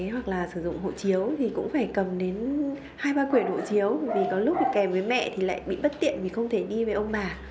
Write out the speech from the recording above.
hoặc là sử dụng hộ chiếu thì cũng phải cầm đến hai ba quyển hộ chiếu vì có lúc kèm với mẹ thì lại bị bất tiện vì không thể đi với ông bà